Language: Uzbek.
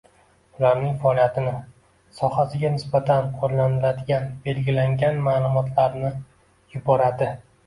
ularning faoliyati sohasiga nisbatan qo‘llaniladigan belgilangan ma’lumotlarni yuboradi;